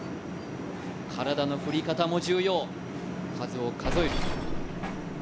体の振り方も重要、数を数える。